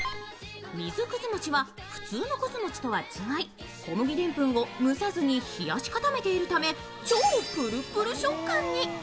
みずくずもちは普通のくず餅とは違い、小麦でんぷんを蒸さずに冷し固めているため、超プルプル食感に。